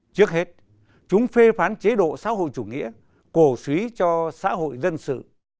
trước hết chúng phê phán chế độ xã hội chủ nghĩa cổ suý cho xã hội dân sự